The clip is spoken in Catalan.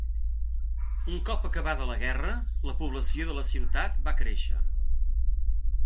Un cop acabada la guerra, la població de la ciutat va créixer.